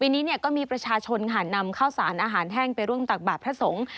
ภีร์นี้เนี่ยก็มีประชาชนนำข้าวสารอาหารแห้งไปตักบาดพระสงส์